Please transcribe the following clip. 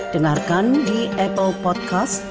dengarkan di apple podcast